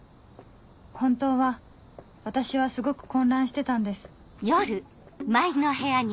本当は私はすごく混乱してたんです